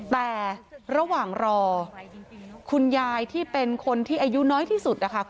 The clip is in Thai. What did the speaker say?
แต่ระหว่างรอคุณยายที่เป็นคนที่อายุน้อยที่สุดนะคะ